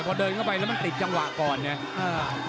พอเดินเข้าไปแล้วมันติดจังหวะก่อนไง